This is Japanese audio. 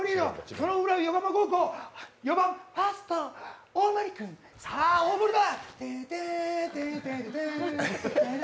そのウラ横浜高校、４番、ファースト大森君さあ、大森だ。